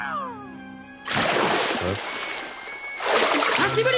久しぶり！